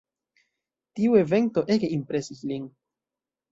Tiu evento ege impresis lin.